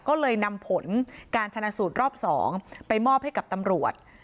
ก็เลยนำผลการชนะสูตรรอบ๒ไปมอบให้กับตำรวจ